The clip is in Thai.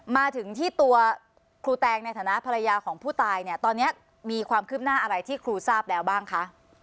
มาถึงที่ตัวครูแตงในฐานะภรรยาของผู้ตายเนี่ยตอนนี้มีความคืบหน้าอะไรที่ครูทราบแล้วบ้างคะ